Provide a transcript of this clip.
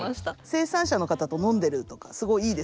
生産者の方と飲んでるとかすごいいいですよね。